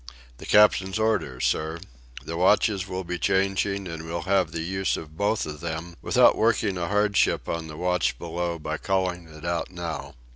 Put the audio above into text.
"The Captain's orders, sir. The watches will be changing, and we'll have the use of both of them, without working a hardship on the watch below by calling it out now."